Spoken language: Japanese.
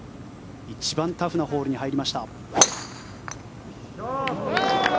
１番タフなホールに入りました。